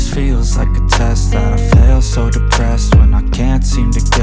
sebaiknya kita bawa ke rumah sakit pak